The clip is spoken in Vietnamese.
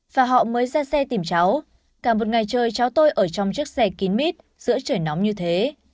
và họ mới ra xe tìm cháu cả một ngày trời cháu tôi ở trong chiếc xe kín mít giữa trời nóng như thế